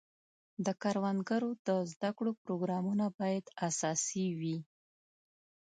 د کروندګرو د زده کړو پروګرامونه باید اساسي وي.